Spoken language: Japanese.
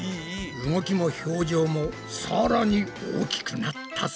動きも表情もさらに大きくなったぞ。